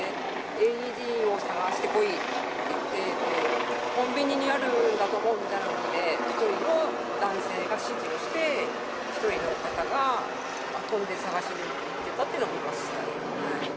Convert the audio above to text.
ＡＥＤを探してこいって言って、コンビニにあるんだと思うということで、１人、男性が指示をして、１人の方が飛んで探しに行ってたというのは見ましたね。